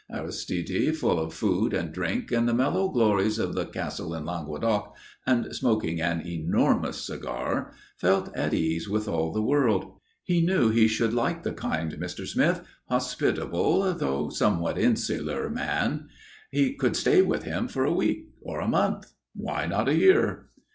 Aristide, full of food and drink and the mellow glories of the castle in Languedoc, and smoking an enormous cigar, felt at ease with all the world. He knew he should like the kind Mr. Smith, hospitable though somewhat insular man. He could stay with him for a week or a month why not a year?